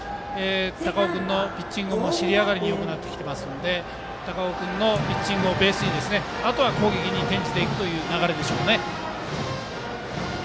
高尾君のピッチングも尻上がりによくなってきているので高尾君のピッチングをベースにあとは攻撃に転じていくという流れでしょうね。